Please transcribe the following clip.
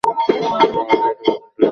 তোমার কি এটা পছন্দ হয়েছে?